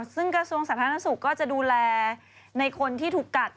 ซึ่งกระทรวงสาธารณสุขก็จะดูแลในคนที่ถูกกัด